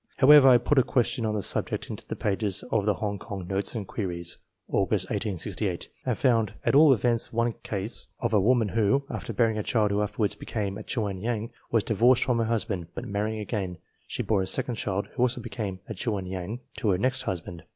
However, I put a question on \ the subject into the pages of the Hong Kong Notes and Queries (Aug. 1868), and found at all events one case, of a woman who, after bearing a child who afterwards became \ a Chuan Yuan, was divorced from her husband, but marry j ing again, she bore a second child, who also became a I Chuan Yuan, to her next husband.